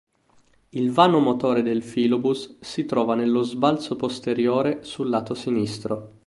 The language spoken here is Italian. Il vano motore del filobus si trova nello sbalzo posteriore sul lato sinistro.